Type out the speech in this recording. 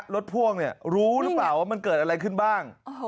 พ่วงรู้หรือเปล่าว่ามันเกิดอะไรขึ้นบ้าง